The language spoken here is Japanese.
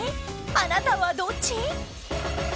あなたはどっち？